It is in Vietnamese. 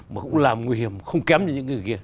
mà cũng làm nguy hiểm không kém cho những người kia